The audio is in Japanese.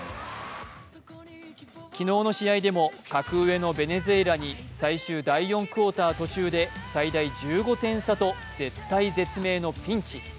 昨日の試合でも格上のベネズエラに最終第４クオーター途中で最大１５点差と絶体絶命のピンチ。